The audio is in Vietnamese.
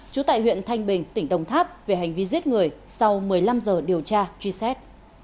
trú tại huyện thanh bình tỉnh đồng tháp về hành vi giết người sau một mươi năm giờ điều tra truy xét